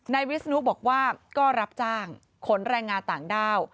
นายวิศนุบอกว่าก็รับจ้างขนแรงงานต่างด้าว